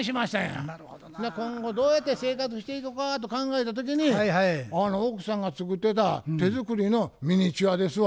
今後どうやって生活していこかと考えた時に奥さんが作ってた手作りのミニチュアですわ。